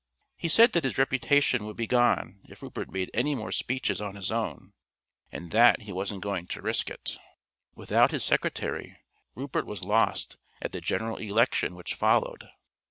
He said that his reputation would be gone if Rupert made any more speeches on his own, and that he wasn't going to risk it. Without his secretary Rupert was lost at the General Election which followed.